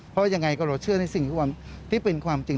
เพราะยังไงก็เราเชื่อในสิ่งที่เป็นความจริง